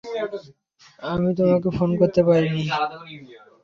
আমি তোমাকে ফোন করতে পারিনি।